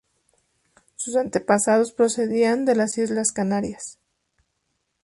Sus antepasados procedían de las islas Canarias.